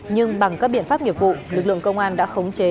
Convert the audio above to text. nhưng bằng các biện pháp nghiệp vụ lực lượng công an đã khống chế